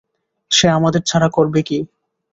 সে আমাদের ছাড়া করবে কি?